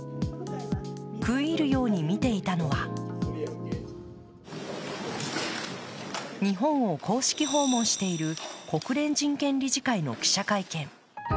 食い入るように見ていたのは日本を公式訪問している国連人権理事会の記者会見。